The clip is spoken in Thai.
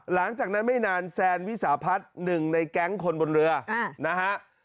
หลังจากนั้นไม่นานแซนวิสาพัฒน์หนึ่งในแก๊งคนบนเรือนะฮะ